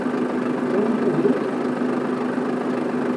Tram tagrest?